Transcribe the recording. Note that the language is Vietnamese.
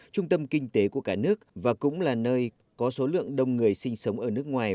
trung tâm kinh tế của cả nước và cũng là nơi có số lượng đông người sinh sống ở nước ngoài